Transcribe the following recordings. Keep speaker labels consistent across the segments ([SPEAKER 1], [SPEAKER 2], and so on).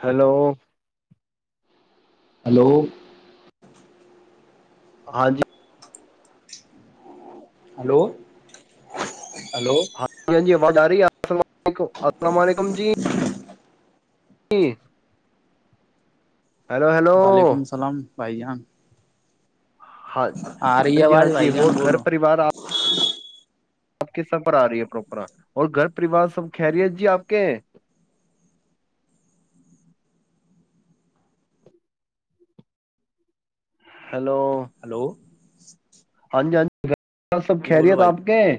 [SPEAKER 1] Hello
[SPEAKER 2] hello
[SPEAKER 1] ہاں جی
[SPEAKER 2] hello hello
[SPEAKER 1] ہاں جی ہاں جی آواز آ رہی آپ السلام علیکم جی ج ہلو ہلو
[SPEAKER 2] وعلیکم السلام بھائی جان
[SPEAKER 1] ہاں
[SPEAKER 2] آ رہی ہے
[SPEAKER 1] ہاں جی ہاں
[SPEAKER 2] آواز
[SPEAKER 1] جی
[SPEAKER 2] بھائی
[SPEAKER 1] ہو
[SPEAKER 2] جان
[SPEAKER 1] گھر
[SPEAKER 2] بولو
[SPEAKER 1] پریوار آپ آپ کے سر پر آ رہی ہے اپنا اور گھر پریوار سب خیریت جی آپ کے ہیں ہیلو
[SPEAKER 2] ہلو
[SPEAKER 1] جان کیا سب
[SPEAKER 2] جی بولو
[SPEAKER 1] خیریت
[SPEAKER 2] بھائی
[SPEAKER 1] آپ کے ہیں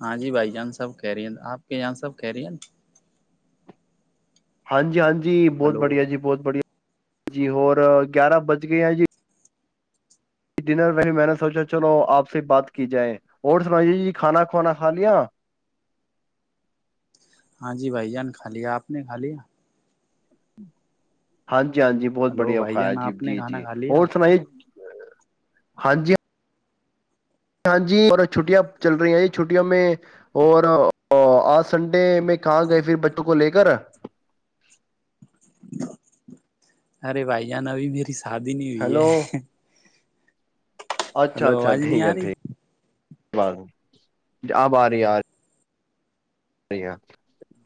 [SPEAKER 2] ہاں جی بھائی جان سب کہہ رہی آپ کے یہان سب کہہ رہی ہیں
[SPEAKER 1] ہاں جی ہاں جی جی بہت
[SPEAKER 2] ہلو
[SPEAKER 1] بڑھیا جی بہت بڑھیا جی ہور گیارہ بج گئے ہیں جی ڈنر میں میں نے سوچا چلو آپ سے بات کی جائے اور سمائیے جی کھانا کھوانا کھا لیا
[SPEAKER 2] ہاں جی بھائی جان کھا لیا آپ نے کھا لیا
[SPEAKER 1] ہاںی جی ہاں جی بہت
[SPEAKER 2] ہلو
[SPEAKER 1] بڑھیا
[SPEAKER 2] بھائی
[SPEAKER 1] بخا ہے
[SPEAKER 2] جان
[SPEAKER 1] جی
[SPEAKER 2] آپ
[SPEAKER 1] جی
[SPEAKER 2] نے
[SPEAKER 1] جی
[SPEAKER 2] کھانا کھا
[SPEAKER 1] اور
[SPEAKER 2] لیا
[SPEAKER 1] سناائیے ہاں جی ہاں جی اور چھٹیاں چل رہی ہیں جی چھٹیوں میں اور آج سنڈے میں کہاں گئے پھر بچوں کو ل کے کرا
[SPEAKER 2] ارے بھائی جان ابھی میری س شادی نہیں ہوئی
[SPEAKER 1] ہیلو
[SPEAKER 2] ہے
[SPEAKER 1] اچھا
[SPEAKER 2] ہلو
[SPEAKER 1] اچھا
[SPEAKER 2] آواز نہیں
[SPEAKER 1] ٹھیک ہے
[SPEAKER 2] آ رہی
[SPEAKER 1] ٹھیک اپ آ رہی آ رہی سرییا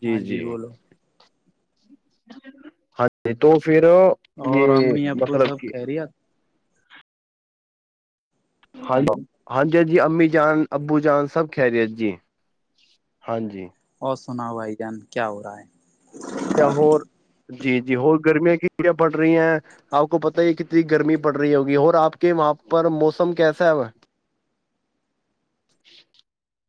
[SPEAKER 2] ہاں جی بولو
[SPEAKER 1] ہاں جی تو پھر یہ
[SPEAKER 2] اور امی ابو
[SPEAKER 1] مثلب
[SPEAKER 2] سب
[SPEAKER 1] کی
[SPEAKER 2] خیریت
[SPEAKER 1] ہاں ج
[SPEAKER 2] ہلو
[SPEAKER 1] ہاں جی ہ جی جی امی جان ابو جان سب خہری ہے جی ہاں جی
[SPEAKER 2] اور سناؤ بھائی جان کیا ہو رہا ہے
[SPEAKER 1] یا ہو جی جی ہو گرمیاں کت پڑ رہی ہیں آپ کو پت ہی کتنی گرمی پڑ رہی ہوگی اور آپ کے وہاں پر موسم کیسا ہے وہ [inaudible]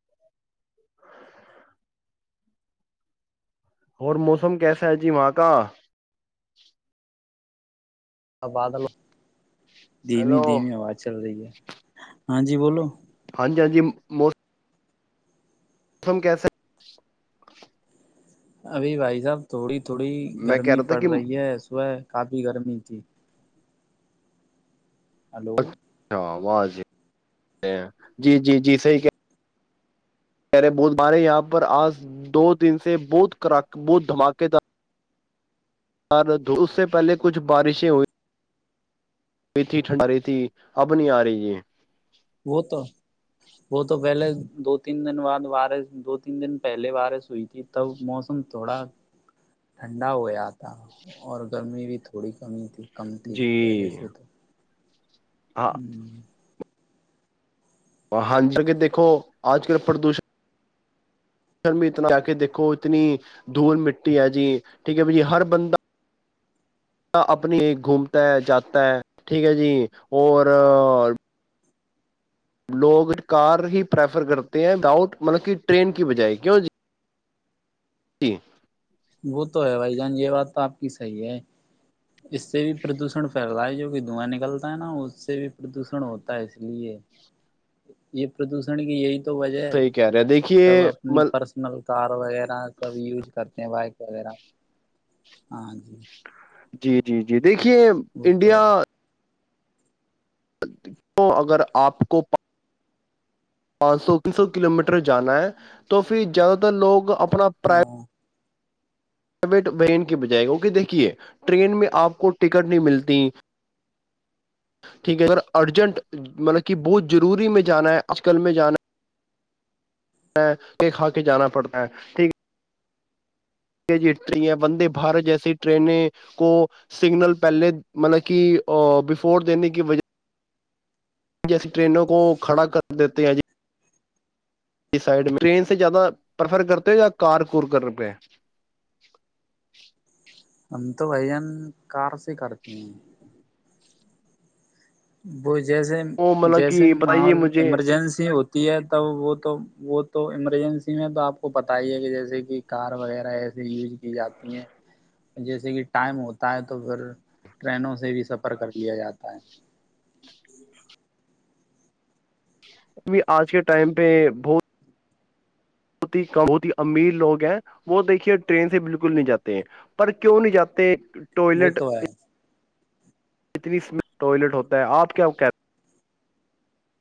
[SPEAKER 1] اور موسم کیسا ہے جی وہاں کا
[SPEAKER 2] تبادل دھیمی
[SPEAKER 1] ہیلو
[SPEAKER 2] دھیمی آواز چل رہی ہے ہاں جی بولو
[SPEAKER 1] ہاں جی ہاں جی موس ہمم کیسے؟
[SPEAKER 2] ابھی بھائی صاحب تھوڑی تھوڑی
[SPEAKER 1] ہے؟ میں کہہ
[SPEAKER 2] گرمی
[SPEAKER 1] رہا تھا
[SPEAKER 2] پڑ
[SPEAKER 1] کہ
[SPEAKER 2] رہی ہے صبح کافی بی گرمی ت
[SPEAKER 1] اچھا وض جی جی جی صحیح کہ رے ب ہمارے یہاں پر آج دو دن سے بت بہت دھماکے تھا اور اس سے پہلے کچھ بارشیں ہوئیں ہوئی تھی ٹھنڈا رہی تھی اب نہیں آ رہی یہ
[SPEAKER 2] وہ تو وہ تو پہلے دو تین دن بعد بارش دو تین دن پہلے بارش ہوئی تھی تب موسم تھوڑا ٹھنڈا ہویا تھا اور گرمی بھی تھوڑی کمی تھی کم تھی
[SPEAKER 1] جی
[SPEAKER 2] پہلے سے تو
[SPEAKER 1] ہاں
[SPEAKER 2] ہوں
[SPEAKER 1] ہاں جک دیکھو آج کل پردوشن ر میں اتنا جا کے دیکھو اتنی دھول مٹی ہے جی ٹھیک ہے ب جی ہر بندہ اپنی گھومتا ہے جاتا ہے ٹھیک ہے جی اور لوگ کار ہی پریفر کرتے ہیں وداؤٹ مطلب کہ ٹرین کی بجائے کیوں جی جٹھ
[SPEAKER 2] وہ تو ہے بھائی جان یہ بات تو آپ کی صحیح ہے اس سے بھی پردوشن پھیل رہ ہے جو کہ دھواں نکلتا ہے نا اس سے بھی پردوشن ہوتا ہے اس لیے یہ پردوشن کی یہی تو وجہ
[SPEAKER 1] صحیح کہہ رہے ہیں،
[SPEAKER 2] سب
[SPEAKER 1] دیکھیے
[SPEAKER 2] اپنی پرسنل تار وغیرہ سب یز کرتے بائک وغیرہ ہاں جی
[SPEAKER 1] جی جی جی دیکھیے
[SPEAKER 2] وہ تو
[SPEAKER 1] انڈیا
[SPEAKER 2] ہے
[SPEAKER 1] کیوں اگر آپ کو پانچ سو تین سو کلو میٹر جانا ہے تو پھر زیادہ تر لوگ اپنے اپنا
[SPEAKER 2] ہاں
[SPEAKER 1] پرائی پرائیویٹ بین کے بجائے اوکے دیکھیے ٹرین میں آپ کو ٹکٹ نہیں ملتی ٹھیک ہے اگر ارجنٹ مطلب کہ بہت ضروری میں جانا ہے آج کل میں جانا ہے پ کھا کے جانا پڑتا ہے ٹھیک ہے جٹ ہیں وندے بھارت جیسی ٹرینیں کو سگنل پہلے مطلب کہ بفور دینے کی وجہ جیسی ٹرینوں کو کھڑا کر دیتے ہیں ج سائڈ میں ٹرین سے زیادہ پریفر کرتے ہو یا کار ک کر پ
[SPEAKER 2] ہم تو بجن کار سے کرتے ہیں بج جیسے
[SPEAKER 1] وہ مطلب
[SPEAKER 2] جیسے
[SPEAKER 1] کہ بتائیے
[SPEAKER 2] ماحول
[SPEAKER 1] مجھے
[SPEAKER 2] ایمرجنسی ہوتی ہے توب وہ تو وہ تو ایمرجنسی میں تو آپ کو بت ہی ہے کہ جیسے کہ کار وغیرہ ایسے یوز کی جاتی ہیں جیسے کہ ٹائم ہوتا ہے تو پھر ٹرینوں سے بھی سفر کر لیا جاتا ہے
[SPEAKER 1] ابھی آج کے ٹائم پہ بہت بہت ہی کم بہت ہی امیر لوگ ہیں وہ دیکھیے ٹرین سے بالکل نہیں جاتے ہیں پر کیوں نہیں جاتے
[SPEAKER 2] وہ
[SPEAKER 1] ٹوائلٹ
[SPEAKER 2] تو ہے
[SPEAKER 1] اتنی سمت ٹوائلٹ ہوتا ہے آپ کیا کہتے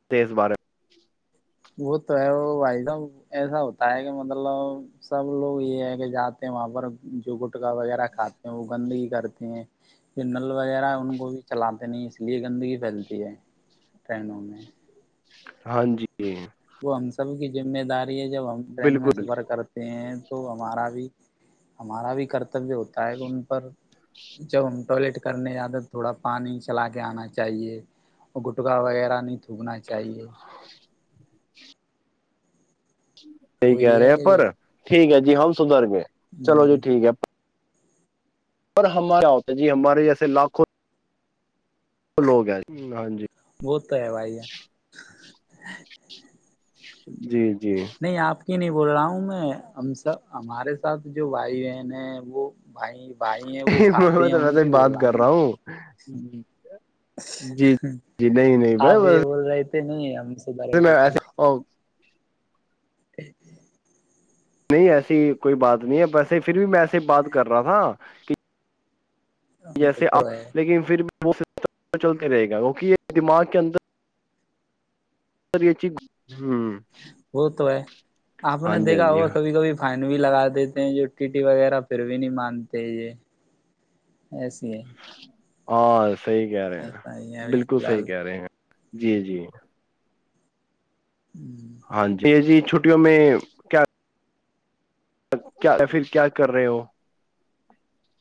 [SPEAKER 1] تیز بارے میں
[SPEAKER 2] وہ تو ہے وہ بھائی صاحب ایسا ہوتا ہے کہ مطلب سب لوگ یہ ہے کہ جاتے ہیں وہاں پر جو گٹکا وغیرہ کھاتے ہیں وہ گندگی کرتے ہیں جو نل وغیرہ ان کو بھی چلاتے نہیں اس لیے گندگی پھیلتی ہے ٹرینوں میں
[SPEAKER 1] ہاں جی
[SPEAKER 2] وہ ہم سب کی ذمہ داری یہ جب ہم ٹرین میں
[SPEAKER 1] بالکل
[SPEAKER 2] سفر کرتے ہیں تو ہمارا بھی ہمارا بھی کرتبیہ ہوتا ہے ان پر جب ہم ٹوائلیٹ کرنے جاتے ہیں تو تھوڑا پانی چلا کے آنا چاہیے گٹگا وغیرہ نہیں دوگنا چاہیے
[SPEAKER 1] یہحی کہہ
[SPEAKER 2] وہی
[SPEAKER 1] رہے
[SPEAKER 2] ہے
[SPEAKER 1] ہیں
[SPEAKER 2] کہ جو
[SPEAKER 1] پر ٹھیک ہے جی جی ہم سدھر گئے چلو جی
[SPEAKER 2] ہوں،
[SPEAKER 1] ٹھیک ہے اور ہمارا ہوتا جی ہمارے جیسے لاکھوں وہ لوگ ہیں جی ہاں ج
[SPEAKER 2] وہ تو ہے بھائی یہ
[SPEAKER 1] جی
[SPEAKER 2] نہیں آپ کو نہیں بول رہا ہوں میں ہم سب ہمارے ساتھ جو بھائی بہن ہے وہ بھائی بھائی ہیں وہ کھاتے
[SPEAKER 1] میں
[SPEAKER 2] ہیں
[SPEAKER 1] تو
[SPEAKER 2] ان
[SPEAKER 1] ویسے
[SPEAKER 2] کی
[SPEAKER 1] ہی
[SPEAKER 2] بول
[SPEAKER 1] بات کر
[SPEAKER 2] میں۔
[SPEAKER 1] رہا ہوں جی ج جی نہیں نہیں
[SPEAKER 2] آپ یہ
[SPEAKER 1] ب
[SPEAKER 2] بول رہے نہیں سدھر گئے
[SPEAKER 1] میں ای
[SPEAKER 2] تھے،
[SPEAKER 1] ا
[SPEAKER 2] [inaudible]
[SPEAKER 1] نہیں ایسی کوئی بات نہیں ہے ویسے پھر بھی میں ایسے بات کر رہا تھا کہ
[SPEAKER 2] وہ
[SPEAKER 1] جیسے
[SPEAKER 2] تو ہے
[SPEAKER 1] آپ لیکن پھر بھی وہ سسٹم چلتے رہے گا کیکہ یہ دماغ کے اندر سر یہ چ
[SPEAKER 2] وہ تو ہے آپ
[SPEAKER 1] ہاں
[SPEAKER 2] نے
[SPEAKER 1] جی ہاں
[SPEAKER 2] دیکھا
[SPEAKER 1] جی
[SPEAKER 2] ہوا کبھی کبھی فن بھی لگا دیتے ہیں جو ٹی ٹی وغیرہ پھر بھی نہیں مانتے یہ ایس [inaudible]
[SPEAKER 1] اور صحیح کہہ رہے ہیں بالکل
[SPEAKER 2] فی
[SPEAKER 1] صحیح
[SPEAKER 2] الحال
[SPEAKER 1] کہہ رہے ہیں جی جی
[SPEAKER 2] ہوں [inaudible]
[SPEAKER 1] ہاں جی یہ جی چھٹیوں میں کیا [unintelligible] پھر کیا کر رہے ہو [unintelligible]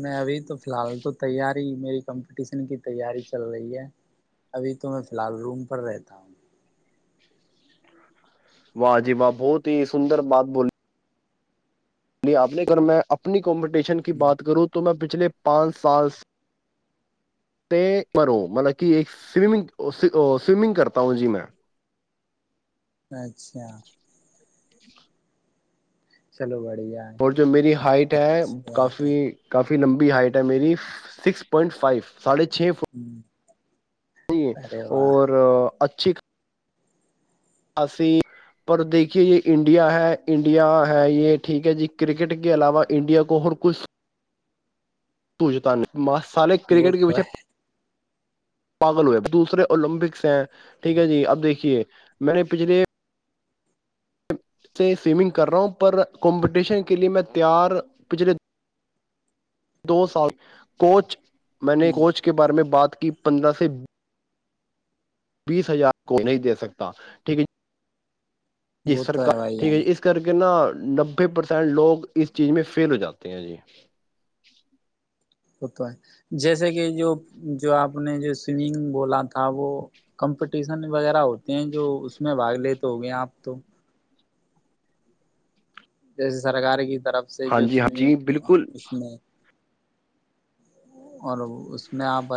[SPEAKER 2] میں ابھی [unintelligible] تو فی الحال تو تیار [unintelligible] میری کمپٹیشن کی تیاری چل رہی ہے ابھی تو میں فی الحال روم پر رہتا ہوں [unintelligible]
[SPEAKER 1] واہ جی واہ بہت ہی سندر بات بولی آپ نے گ میں اپنی کمپٹیشن کی بات کروں تو میں پچھ [unintelligible] پچھلے پانچ سال ت مروں مطلب کہ ایک سمگ سویمنگ کرتا ہوں جی میں [unintelligible]
[SPEAKER 2] اچھا [unintelligible]
[SPEAKER 1] [inaudible]
[SPEAKER 2] سلوا [unintelligible]
[SPEAKER 1] اور جو میری ہائٹ ہے
[SPEAKER 2] بات ہے
[SPEAKER 1] کافی کافی لمبی ہائٹ ہے میری سکس پوائنٹ فائیف [unintelligible] ساڑھے چھ فٹ [unintelligible]
[SPEAKER 2] ہ
[SPEAKER 1] ج
[SPEAKER 2] ارے واہ
[SPEAKER 1] اورچ [unintelligible] ٹھ [unintelligible] سی پر دیکھیے یہ انڈیا ہے انڈیا ہے یہ ٹھیک ہے جی کرکٹ کے علاوہ انڈیا کو اور کچھ پوجتا نہیں [unintelligible] سالے
[SPEAKER 2] وہ
[SPEAKER 1] کرکٹ کے
[SPEAKER 2] تو
[SPEAKER 1] وچھے [unintelligible] پاگل ہوئے دوسرے اولمپکس ہیں ٹھیک ہے جی اب دیکھیے میں نے پچھلے سے سوئمنگ کر رہا ہوں پر کمپٹیشن کے لیے میں تیار پچھلے [unintelligible] دو سال کوچ [unintelligible] میں
[SPEAKER 2] ہے
[SPEAKER 1] نے کوچ کے بارے میں بات کہ پندرہ سے [inaudible] بیس ہزار کو نہیں دے سکتا ٹھیک ہے [inaudible] جی
[SPEAKER 2] وہ تو
[SPEAKER 1] سرکار
[SPEAKER 2] بھائی
[SPEAKER 1] ٹھیک
[SPEAKER 2] جان
[SPEAKER 1] ہے جی اس کر کے نہا [inaudible] نبے پرسینٹ لوگ اس چیز میں فیل ہو جاتے ہیں جی
[SPEAKER 2] ہوتا ہے جیسے کہ جو جو آپ نے جو سوئمنگ بولا تھا وہ کمپٹیشن وغیرہ ہوتا جو اس میں بھاگ لیتے [inaudible] تو ہو گئے آپ تو [inaudible] جس سرکار کی [inaudible] طرف سے
[SPEAKER 1] ہاں
[SPEAKER 2] جو
[SPEAKER 1] جی ہاں جی
[SPEAKER 2] سوئمنگ
[SPEAKER 1] بالکل
[SPEAKER 2] اس میں [inaudible] اورو اس [inaudible]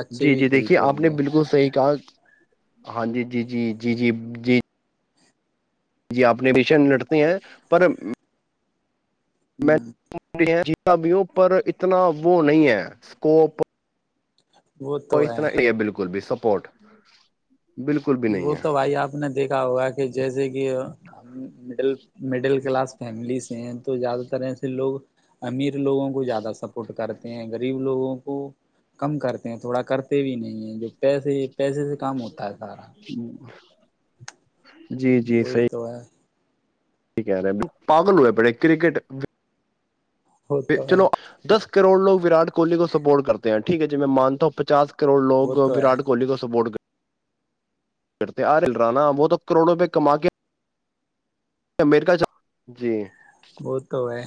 [SPEAKER 2] اچھے
[SPEAKER 1] جی
[SPEAKER 2] بھی
[SPEAKER 1] جی دیکھیے
[SPEAKER 2] کھیلتے
[SPEAKER 1] آپ
[SPEAKER 2] ہوں
[SPEAKER 1] نے
[SPEAKER 2] گے
[SPEAKER 1] بالکل صحیح کہا ہاں جی جی جی جی جی جی جی اپنے مشن لٹتے ہیں پر
[SPEAKER 2] ہاں [inaudible]
[SPEAKER 1] سبیوں پر اتنا وہ نہیں ہے اسکوپ وہ استنا یہ ہے بالکل بھی سب سپورٹ بالکل بھی نہیں
[SPEAKER 2] وہ تو بھائی آپ نے دیکھا ہوگا جیسے کہ ہم مڈل مڈل کلاس فیملیز تو زیادہ تر ای سے لوگ امیر لوگوں کو زیادہ سپورٹ کرتے ہیں غریب لوگوں کو کم کرتے ہیں تھوڑا کرتے بھی نہیں ہیں جو پیسے پیسے سے کام ہوتا ہے سارا
[SPEAKER 1] [inaudible] جی جی
[SPEAKER 2] وہی
[SPEAKER 1] صحیح
[SPEAKER 2] تو ہے
[SPEAKER 1] کہہ رہے پاگل ہوئے پڑے کرکٹ
[SPEAKER 2] وہ تو ہے
[SPEAKER 1] چلو دس کروڑوگ واٹ کوہلی کو سپورٹ کرتے ہیں ٹھیک ہے جی میں مانتا ہوں پچا کے کروڑ
[SPEAKER 2] وہ
[SPEAKER 1] لوگ
[SPEAKER 2] تو ہے
[SPEAKER 1] وراٹ کوہلی کو سپورٹ کر کرتے آل رہا نا وہ تو کروڑوں روپئے کما کے امیریکا جی
[SPEAKER 2] وہ تو ہے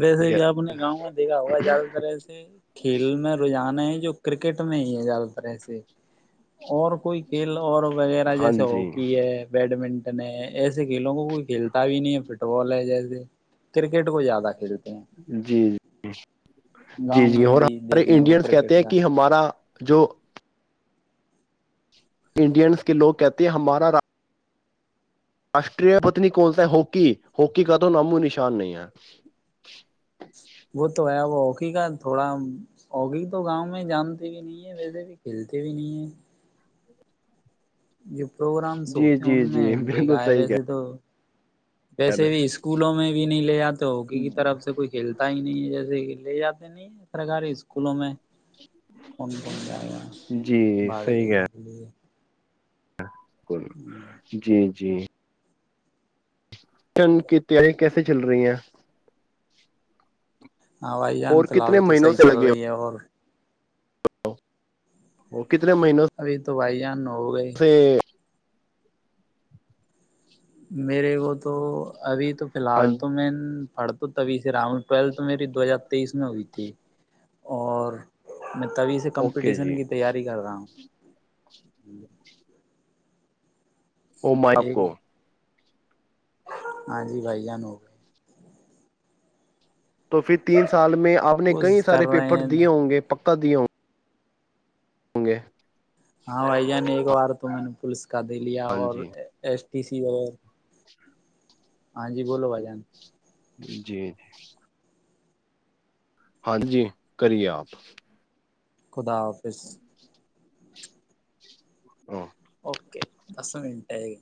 [SPEAKER 2] ویسے
[SPEAKER 1] ٹھیک ہے
[SPEAKER 2] بھی آپ نے گاؤں میں دیکھا ہوا زیادہ ترح سے کھیل میں رجان ہے جو کرکٹ میں ہی ہے زیادہ تر ایسے اور کوئی کھیل اور وغیرہ
[SPEAKER 1] ہاں
[SPEAKER 2] جیسے
[SPEAKER 1] جی
[SPEAKER 2] ہاکی ہے بیڈمنٹن ایسے کھیلوں کو کوئی کھیلتا بھی نہیں ہے فٹ بال ہے جیسے کرکٹ کو زیادہ ہیل
[SPEAKER 1] جی جی جی
[SPEAKER 2] گاؤں
[SPEAKER 1] جی
[SPEAKER 2] میں
[SPEAKER 1] اور
[SPEAKER 2] بھی
[SPEAKER 1] ہمارے
[SPEAKER 2] دیکھنے کو
[SPEAKER 1] انڈینس کہتے
[SPEAKER 2] کرکٹ
[SPEAKER 1] ہیں
[SPEAKER 2] کا
[SPEAKER 1] کہ ہمارا جو انڈینس کے لوگ کہتے ہیں ہماراا راشٹری پتنی کونتا ہے ہاکی ہاکی کا تو نامو نشان نہیں ہے
[SPEAKER 2] وہ تو ہے وہ ی کا تھوڑا ہوگی تو گاؤں میں جانتے بھی نہیں ہے ویسے بھی کھیلتے بھی نہیں ہے [unintelligible] پروگرامس
[SPEAKER 1] جی
[SPEAKER 2] ہوتے ہیں
[SPEAKER 1] جی
[SPEAKER 2] ان
[SPEAKER 1] جی
[SPEAKER 2] میں
[SPEAKER 1] بالکل
[SPEAKER 2] دیکھا آئے
[SPEAKER 1] صحیح
[SPEAKER 2] ویسے
[SPEAKER 1] کہہ
[SPEAKER 2] تو ویسے بھی اسکولوں میں بھی نہیں لے جاتے ہاکی کی طرف
[SPEAKER 1] رہے
[SPEAKER 2] سے کوئی کھیلتا ہی نہیں ہے جیسے لے جاتے [unintelligible] سرکاری اسکولوں میں کون کون جا
[SPEAKER 1] جی
[SPEAKER 2] بھاگ
[SPEAKER 1] صحیح کہہ
[SPEAKER 2] لینے
[SPEAKER 1] رہے
[SPEAKER 2] کے لیے
[SPEAKER 1] [unintelligible] جی جی شن کی تیاری کیسے چل رہی ہیں
[SPEAKER 2] ہاں بھائی جان
[SPEAKER 1] اور
[SPEAKER 2] فی الحال
[SPEAKER 1] کتنے
[SPEAKER 2] تو
[SPEAKER 1] مہینوں
[SPEAKER 2] صحیح
[SPEAKER 1] سے
[SPEAKER 2] چل
[SPEAKER 1] لگے
[SPEAKER 2] رہی ہے اور
[SPEAKER 1] [unintelligible] کتنے مہین
[SPEAKER 2] ابھی [unintelligible]
[SPEAKER 1] [unintelligible] [unintelligible]
[SPEAKER 2] میرے کو تو ابھی تو فی
[SPEAKER 1] ہاں
[SPEAKER 2] الحال تو مین پڑھ تو تبھی سے راوں ٹویلتھ تو میری دو ہزار تیئیس میں ہوئی تھی اور میں تبھی سے
[SPEAKER 1] اوکے
[SPEAKER 2] کمپٹیشن
[SPEAKER 1] جی
[SPEAKER 2] کی تیاری کر رہا ہوں [unintelligible]
[SPEAKER 1] ا ما
[SPEAKER 2] ایک
[SPEAKER 1] کو
[SPEAKER 2] ہاں جی بھائی جان ہو گ
[SPEAKER 1] تو پھر تین سال میں آپ نے کئی
[SPEAKER 2] کوشش کر
[SPEAKER 1] سارے
[SPEAKER 2] رہے
[SPEAKER 1] پیپر
[SPEAKER 2] ہیں
[SPEAKER 1] دیے ہوں گے پکا [unintelligible] ہوں گے
[SPEAKER 2] ہاں وائی جان ایکک وار میں پلیس کا دے لیا
[SPEAKER 1] ہاں
[SPEAKER 2] اور
[SPEAKER 1] جی
[SPEAKER 2] ایس ٹی سی وغ
[SPEAKER 1] [unintelligible]
[SPEAKER 2] ہاں جی بولو بھ جان
[SPEAKER 1] جی جی ہاں جی کریے آپ
[SPEAKER 2] خدا حافظ
[SPEAKER 1] ہ
[SPEAKER 2] اوکے دس منٹ ہے گ